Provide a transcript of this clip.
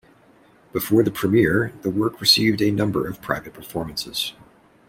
Before the premiere the work received a number of private performances.